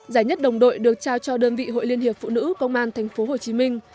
giải nhất đồng đội được trao cho đơn vị hội liên hiệp phụ nữ công an thành phố hồ chí minh